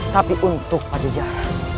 tapi untuk pak jejar